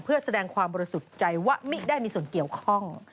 เพื่อแสดงความบริสุทธิ์ใจว่าไม่ได้มีส่วนเกี่ยวข้อง